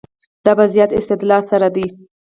دا په زیات استدلال سره ده.